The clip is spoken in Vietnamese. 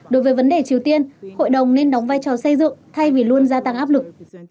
đối với vấn đề triều tiên hội đồng nên đóng vai trò xây dựng thay vì luôn gia tăng áp lực